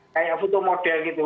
kayak foto model gitu